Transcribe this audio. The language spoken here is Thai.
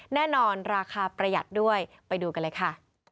แน่นอนราคาประหยัดด้วยไปดูกันเลยค่ะ